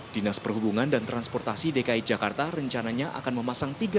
dinas perhubungan dan transportasi dki jakarta rencananya akan mencapai seratus miliar rupiah per tahun